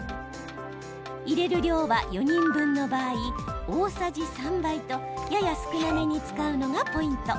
入れる量は、４人分の場合大さじ３杯とやや少なめに使うのがポイント。